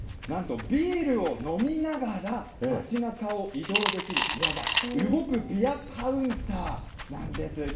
なんとビールを飲みながら街なかを移動できる、いわば動くビアカウンターなんです。